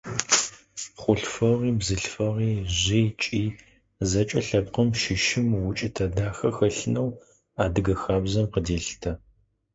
Хъулъфыгъи, бзылъфыгъи, жъи, кӀи – зэкӀэ лъэпкъым щыщым укӀытэ дахэ хэлъынэу адыгэ хабзэм къыделъытэ.